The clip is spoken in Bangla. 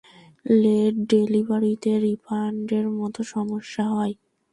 লেট ডেলিভারিতে রিফান্ডের মতো সমস্যা হয়।